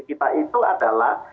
kita itu adalah